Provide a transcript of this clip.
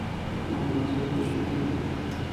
زما لمسی کوچنی دی